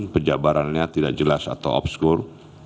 penjabarannya tidak jelas atau obskur